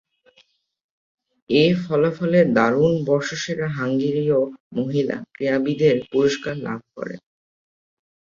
এ ফলাফলের দরুণ বর্ষসেরা হাঙ্গেরীয় মহিলা ক্রীড়াবিদের পুরস্কার লাভ করেন।